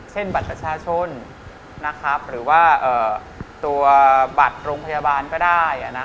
บัตรประชาชนหรือว่าตัวบัตรโรงพยาบาลก็ได้